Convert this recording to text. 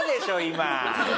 今。